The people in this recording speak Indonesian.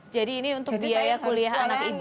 jadi ini untuk biaya kuliah anak ibu